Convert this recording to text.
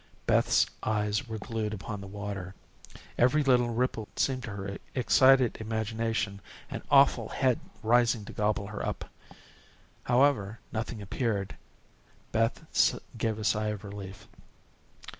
Beth's eyes were glued upon the water. Every little ripple seemed to her excited imagination an awful head rising to gobble her up. However, nothing appeared. Beth gave a sigh of relief.